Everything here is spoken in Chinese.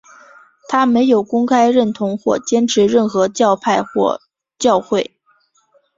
他没有公开认同或坚持任何教派或教会。